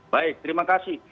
baik terima kasih